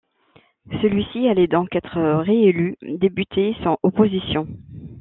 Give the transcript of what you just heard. Celui-ci allait donc être réélu député sans opposition.